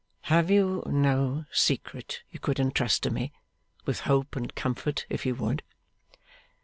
Have you no secret you could entrust to me, with hope and comfort, if you would!